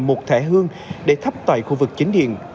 một thẻ hương để thắp tại khu vực chính điện